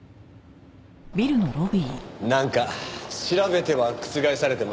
なんか調べては覆されてません？